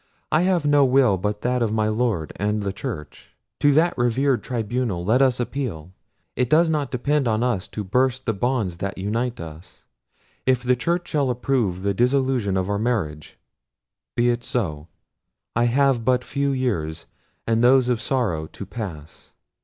I have no will but that of my Lord and the Church. To that revered tribunal let us appeal. It does not depend on us to burst the bonds that unite us. If the Church shall approve the dissolution of our marriage, be it so—I have but few years, and those of sorrow, to pass.